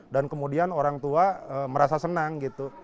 dan kemudian orang tua merasa senang gitu